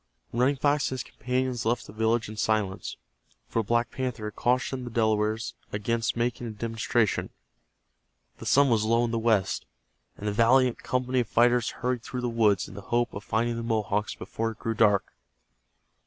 Running Fox and his companions left the village in silence, for Black Panther had cautioned the Delawares against making a demonstration. The sun was low in the west, and the valiant company of fighters hurried through the woods in the hope of finding the Mohawks before it grew dark.